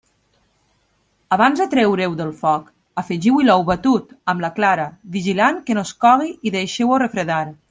Abans de treure-ho del foc, afegiu-hi l'ou batut, amb la clara, vigilant que no es cogui i deixeu-ho refredar.